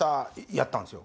やったんですよ。